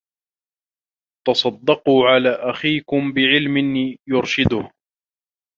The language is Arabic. تَصَدَّقُوا عَلَى أَخِيكُمْ بِعِلْمٍ يُرْشِدُهُ